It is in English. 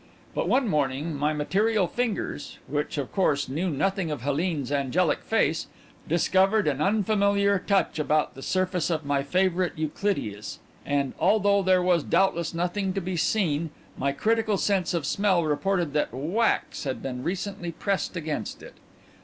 But one morning my material fingers which, of course, knew nothing of Helene's angelic face discovered an unfamiliar touch about the surface of my favourite Euclideas, and, although there was doubtless nothing to be seen, my critical sense of smell reported that wax had been recently pressed against it.